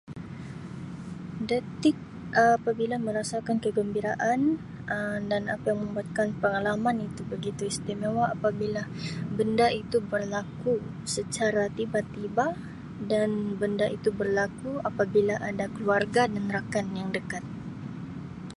Detik apabila merasakan kegembiraan Um dan apa yang membuatkan pengalaman itu begitu istimewa apabila benda itu berlaku secara tiba-tiba dan benda itu berlaku apabila ada keluarga dan rakan yang dekat.